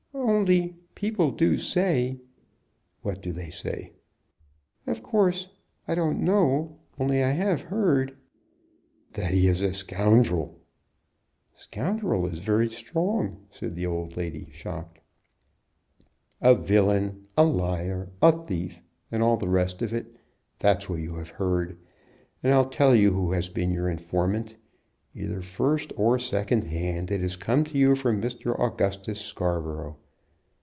"Only people do say " "What do they say?" "Of course I don't know; only I have heard " "That he is a scoundrel!" "Scoundrel is very strong," said the old lady, shocked. "A villain, a liar, a thief, and all the rest of it. That's what you have heard. And I'll tell you who has been your informant. Either first or second hand, it has come to you from Mr. Augustus Scarborough.